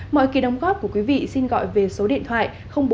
mọi kỳ đóng góp của quý vị xin gọi về số điện thoại